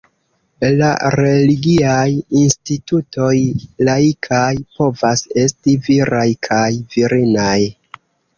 La religiaj institutoj laikaj povas esti viraj kaj virinaj.